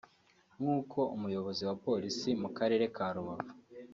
nkuko umuyobozi wa Polisi mu karere ka Rubavu